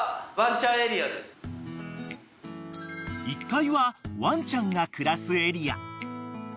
［１階はワンちゃんが暮らすエリア］